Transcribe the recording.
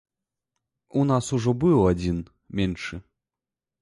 У нас ужо быў адзін, меншы.